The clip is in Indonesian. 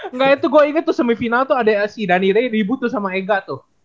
enggak itu gue inget tuh semifinal tuh ada si dhani ray ribut tuh sama ega tuh